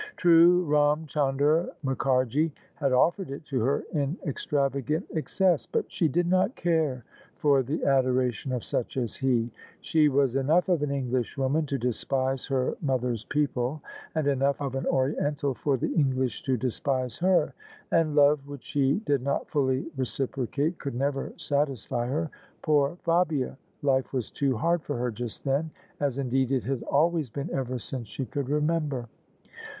True, Ram Chandar Muk harji had offered it to her in extravagant excess: but she did not care for the adoration of such as he. She was enough of an Englishwoman to despise her mother's people and enough of an Oriental for the English to despise her; and love which she did not fully reciprocate could never satisfy her. Poor Fabia! Life was too hard for her just then, as indeed it had always been ever since she could remember.